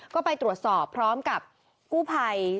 ก็ไปตรวจสอบพร้อมกับกู้ภัย